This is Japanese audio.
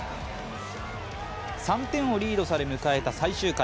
３点をリードされ、迎えた最終回。